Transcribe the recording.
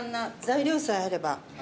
材料さえあれば。